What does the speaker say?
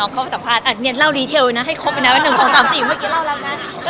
น้องเข้าไปสัมภาษณ์อ่ะเนี๊ยนเล่ารีเทลไว้นะให้ครบไว้นะ๑๒๓๔เมื่อกี้เล่าแล้วนะ